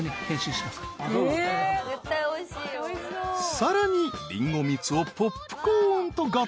［さらにりんご蜜をポップコーンと合体］